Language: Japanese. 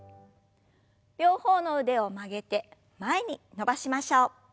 両方の腕を曲げて前に伸ばしましょう。